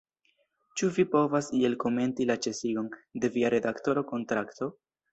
Ĉu vi povas iel komenti la ĉesigon de via redaktora kontrakto?